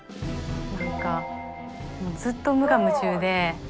何かもうずっと無我夢中で。